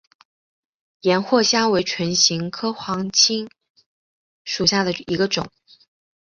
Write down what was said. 岩藿香为唇形科黄芩属下的一个种。